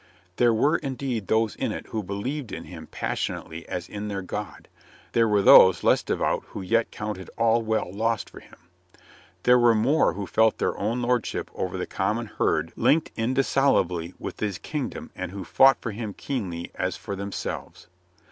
There were indeed those in it who believed in him passionately as in their God: there were those less devout who yet counted all well lost for him : there were more who felt their own lordship over the 156 COLONEL GREATHEART common herd linked indissolubly with his king ship and who fought for him keenly as for them selves.